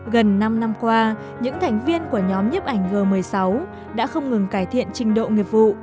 gần năm năm qua những thành viên của nhóm nhếp ảnh g một mươi sáu đã không ngừng cải thiện trình độ nghiệp vụ